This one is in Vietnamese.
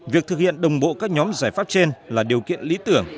việc thực hiện đồng bộ các nhóm giải pháp trên là điều kiện lý tưởng